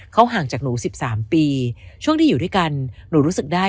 เขาห่างจากหนู๑๓ปีช่วงที่อยู่ด้วยกันหนูรู้สึกได้